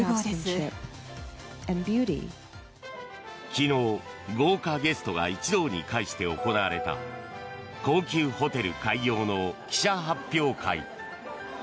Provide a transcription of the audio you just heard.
昨日、豪華ゲストが一堂に会して行われた高級ホテル開業の記者発表会。